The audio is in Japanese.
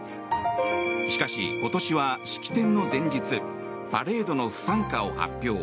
しかし、今年は式典の前日パレードの不参加を発表。